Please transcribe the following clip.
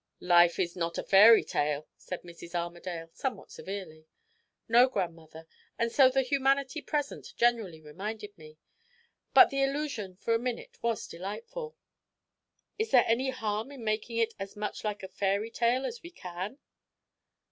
"Life is not a fairy tale," said Mrs. Armadale somewhat severely. "No, grandmother; and so the humanity present generally reminded me. But the illusion for a minute was delightful." "Is there any harm in making it as much like a fairy tale as we can?"